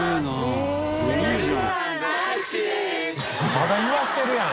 まだ言わしてるやん。